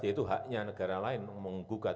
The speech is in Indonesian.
yaitu haknya negara lain menggugat